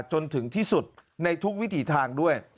จนถึงที่สุดในทุกวิถีทางด้วย